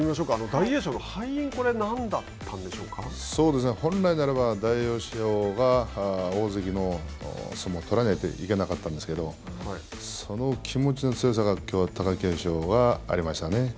大栄翔の敗因は本来ならば大栄翔が、大関の相撲を取らないといけなかったんですけどその気持ちの強さがきょうは貴景勝はありましたね。